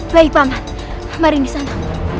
baik pak ahmad mari di sana